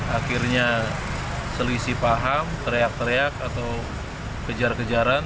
akhirnya selisih paham teriak teriak atau kejar kejaran